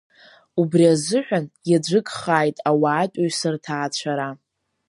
Убри азыҳәан иаӡәыкхааит ауаатәыҩса рҭаацәара.